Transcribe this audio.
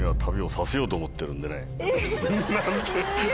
何て！